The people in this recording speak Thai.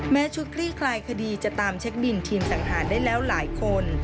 ชุดคลี่คลายคดีจะตามเช็คบินทีมสังหารได้แล้วหลายคน